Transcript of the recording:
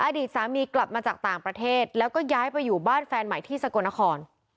อดีตสามีกลับมาจากต่างประเทศแล้วก็ย้ายไปอยู่บ้านแฟนใหม่ที่สกลนคร